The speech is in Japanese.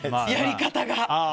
やり方が。